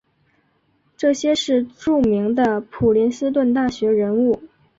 这些是著名的普林斯顿大学人物。